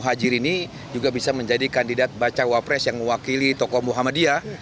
muhajir ini juga bisa menjadi kandidat bacawa pres yang mewakili tokoh muhammadiyah